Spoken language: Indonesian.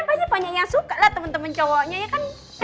makanya banyak yang suka lah temen temen cowoknya ya kan